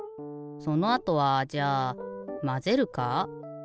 そのあとはじゃあまぜるか？